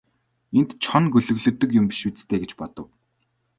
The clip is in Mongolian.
Энд чоно гөлөглөдөг юм биш биз дээ гэж бодов.